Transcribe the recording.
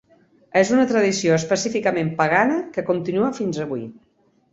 És una tradició específicament pagana que continua fins avui.